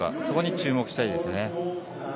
そこに注目したいですね。